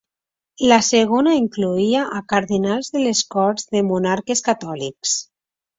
La segona incloïa a cardenals de les corts de monarques catòlics.